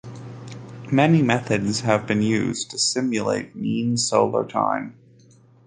Many methods have been used to simulate mean solar time.